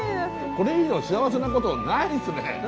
これ以上幸せなことないですね！